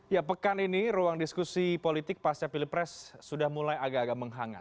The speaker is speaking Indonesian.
ya pekan ini ruang diskusi politik pasca pilpres sudah mulai agak agak menghangat